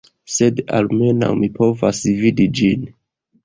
Sed almenaŭ mi povas vidi ĝin